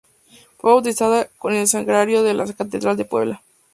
Fue bautizado en el Sagrario de la Catedral de Puebla.